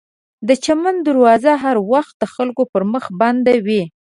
د چمن دروازه هر وخت د خلکو پر مخ بنده وي.